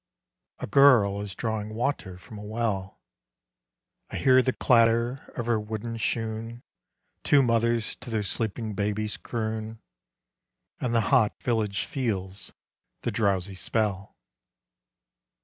A girl is drawing water from a well, I hear the clatter of her wooden shoon; Two mothers to their sleeping babies croon, And the hot village feels the drowsy spell.